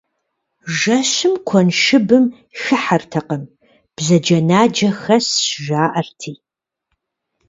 Жэщым куэншыбым хыхьэртэкъым, бзаджэнаджэ хэсщ, жаӏэрти.